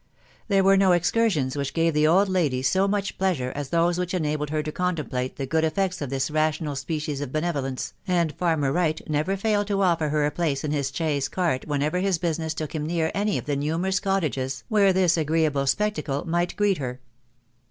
There were no excursions which gave the old lady so much pleasure as those which enabled her to contemplate the good effects of this rational species of benevolence, and farmer Wright never failed to offer her a place in his chaise cart whenever his business took him near any of the numerous cottages where this agreeable spectacle might greet her.